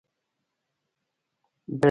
بل کليوال چيغه کړه.